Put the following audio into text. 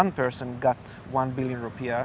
ketika satu orang mendapat rp satu juta